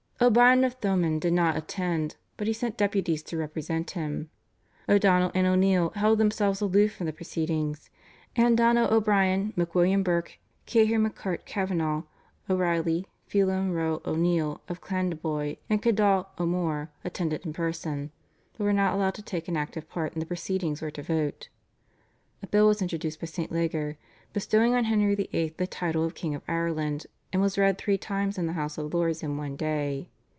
O'Brien of Thomond did not attend, but he sent deputies to represent him; O'Donnell and O'Neill held themselves aloof from the proceedings; and Donogh O'Brien, MacWilliam Burke, Cahir MacArt Kavanagh, O'Reilly, Phelim Roe O'Neill of Clandeboy, and Kedagh O'More attended in person, but were not allowed to take an active part in the proceedings or to vote. A bill was introduced by St. Leger bestowing on Henry VIII. the title of King of Ireland, and was read three times in the House of Lords in one day.